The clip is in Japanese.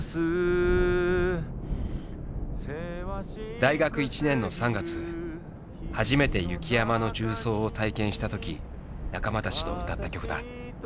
大学１年の３月初めて雪山の縦走を体験したとき仲間たちと歌った曲だ。